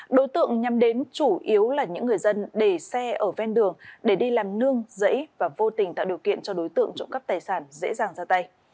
đối tượng nhằm đến chủ yếu là những người dân để xe ở ven đường để đi làm nương dẫy và vô tình tạo điều kiện cho đối tượng trộm cắp tài sản dễ dàng ra tay